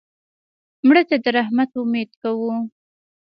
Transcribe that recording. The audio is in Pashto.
مړه ته د رحمت امید کوو